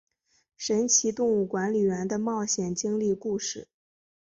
神奇动物管理员的冒险经历故事。